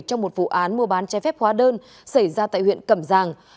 trong một vụ án mua bán trái phép hóa đơn xảy ra tại huyện cẩm giang